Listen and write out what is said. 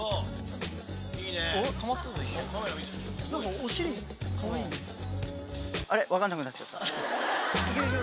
お尻かわいいね。